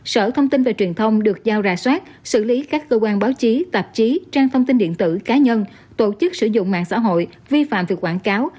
sở thông tin và truyền thông được giao rà soát xử lý các cơ quan báo chí tạp chí trang thông tin điện tử cá nhân tổ chức sử dụng mạng xã hội vi phạm về quảng cáo